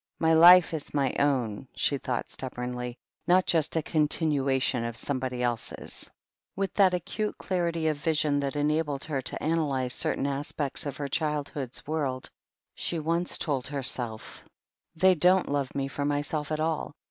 "My life is my own," she thought stubbornly, "not just a continuation of somebody else's." With that acute clarity of vision tiiat enabled her to analyze certain aspects of her childhood's world with such astonishing maturity, she once told herself : "They don't love me for myself at all.